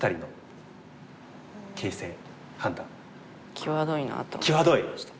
際どいなと思ってました。